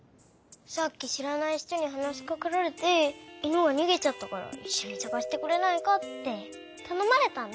さっきしらない人にはなしかけられて「いぬがにげちゃったからいっしょにさがしてくれないか」ってたのまれたんだ。